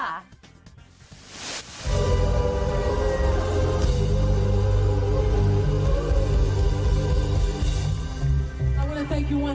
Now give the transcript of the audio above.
รายสนุกรอบเพลง